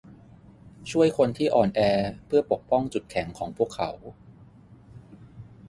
ช่วยคนที่อ่อนแอเพื่อปกป้องจุดแข็งของพวกเขา